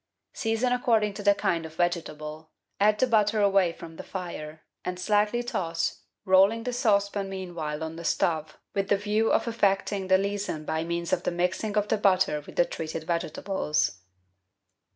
Season according to the kind of vegetable ; add the butter away from the fire, and slightly toss, rolling the saucepan meanwhile on the stove with the view of effecting the leason by means of the mixing of the butter with the treated vegetables.